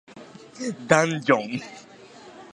ダンジョン